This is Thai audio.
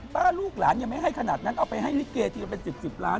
ลูกหลานยังไม่ให้ขนาดนั้นเอาไปให้ลิเกทีละเป็น๑๐ล้าน